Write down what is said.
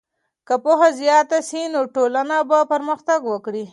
که پوهه زیاته سي نو ټولنه به پرمختګ وکړي.